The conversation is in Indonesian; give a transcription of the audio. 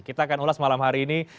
kita akan ulas malam hari ini